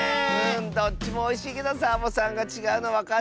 どっちもおいしいけどサボさんがちがうのわかっちゃった。